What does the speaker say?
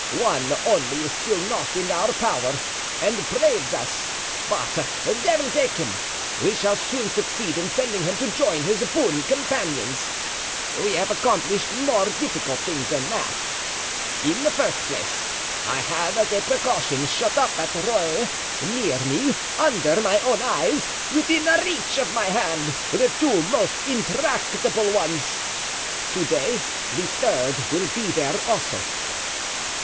One only is still not in our power and braves us. But, devil take him! we shall soon succeed in sending him to join his boon companions. We have accomplished more difficult things than that. In the first place I have as a precaution shut up at Rueil, near me, under my own eyes, within reach of my hand, the two most intractable ones. To day the third will be there also."